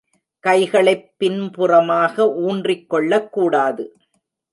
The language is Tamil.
கைகளைப் பின்புறமாக ஊன்றிக் கொள்ளக் கூடாது.